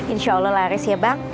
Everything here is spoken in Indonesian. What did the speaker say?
insya allah laris ya bang